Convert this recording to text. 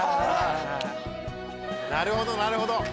なるほどなるほど。